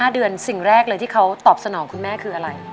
๕เดือนสิ่งแรกเลยที่เขาตอบสนองคุณแม่คืออะไร